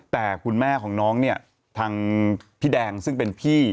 แต่คุณแม่ของน้องเนี่ยทางพี่แดงซึ่งเป็นพี่